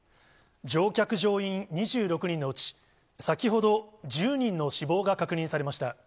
乗客・乗員２６人のうち、先ほど１０人の死亡が確認されました。